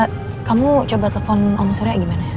eh kamu coba telepon om surya gimana